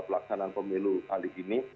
pelaksanaan pemilu kali ini